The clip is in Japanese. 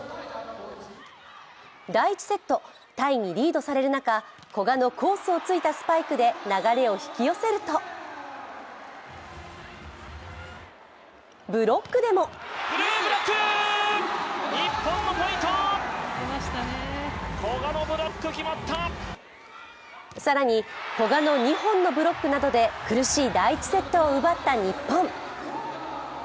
第１セット、タイにリードされる中、古賀のコースをついたスパイクで流れを引き寄せると、ブロックでもさらに、古賀の２本のブロックなどで苦しい第１セットを奪った日本。